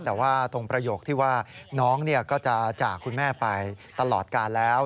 แต่ว่าตรงประโยคที่ว่าน้องก็จะจากคุณแม่ไปตลอดกาลแล้ว